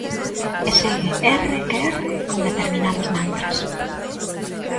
E segue erre que erre con determinados mantras.